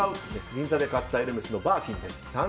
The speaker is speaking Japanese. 銀座で買ったエルメスのバーキンです。